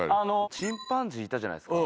チンパンジーいたじゃないですか。